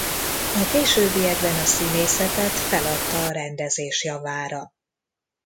A későbbiekben a színészetet feladta a rendezés javára.